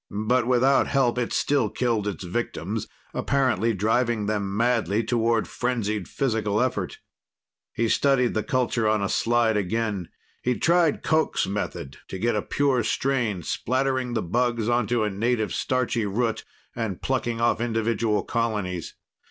But without help, it still killed its victims, apparently driving them madly toward frenzied physical effort. He studied the culture on a slide again. He'd tried Koch's method to get a pure strain, splattering the bugs onto a native starchy root and plucking off individual colonies.